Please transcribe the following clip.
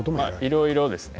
いろいろですね